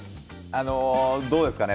どうですかね。